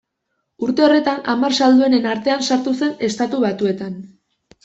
Urte horretan hamar salduenen artean sartu zen Estatu Batuetan.